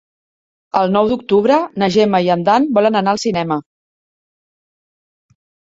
El nou d'octubre na Gemma i en Dan volen anar al cinema.